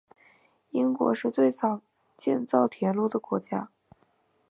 英国是最早建造铁路的国家。